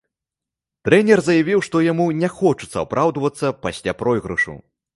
Трэнер заявіў, што яму не хочацца апраўдвацца пасля пройгрышу.